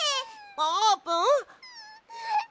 あーぷん？